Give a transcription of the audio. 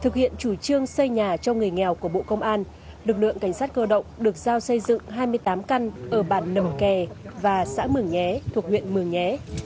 thực hiện chủ trương xây nhà cho người nghèo của bộ công an lực lượng cảnh sát cơ động được giao xây dựng hai mươi tám căn ở bản nầm kè và xã mường nhé thuộc huyện mường nhé